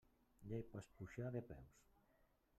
Ja hi pots pujar de peus.